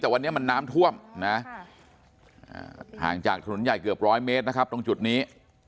แต่วันนี้มันน้ำท่วมห่างจากถนนใหญ่เกือบ๑๐๐เมตรตรงจุดนี้